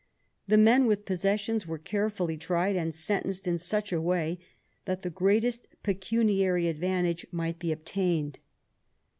The men with possessions were carefully tried and sentenced in such a way that the greatest pecuniary advantage might be obtained.